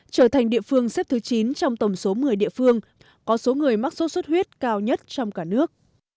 trở thành địa phương xếp thứ chín trong tổng số một mươi địa phương có số người mắc sốt xuất huyết cao nhất trong cả nước